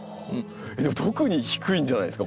特に低いんじゃないですか？